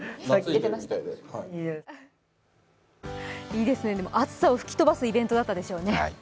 いいですね、暑さを吹き飛ばすイベントだったでしょうね。